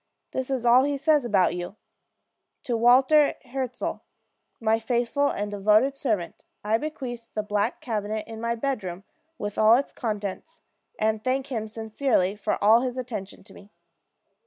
This is all he says about you: 'To Walter Hirzel, my faithful and devoted servant, I bequeath the black cabinet in my bedroom, with all its contents, and thank him sincerely for all his attention to me.'